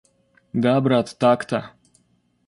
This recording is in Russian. Да, брат, так-то!